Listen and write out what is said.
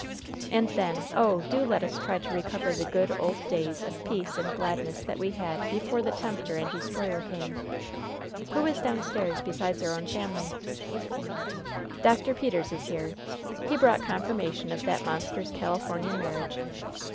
And then, oh, do let us try to recover the good, old days of peace and gladness that we had before the tempter and destroyer came. Who is downstairs besides our own family?" "Dr. Peters is here. He brought confirmation of that monster's Californian marriage."